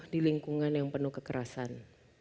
di lingkungan yang penuh kekerasan